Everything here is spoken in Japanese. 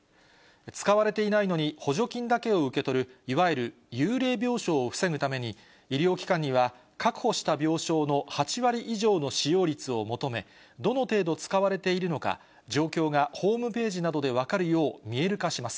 使われていないのに補助金だけを受け取る、いわゆる幽霊病床を防ぐために、医療機関には確保した病床の８割以上の使用率を求め、どの程度使われているのか、状況がホームページなどで分かるよう見える化します。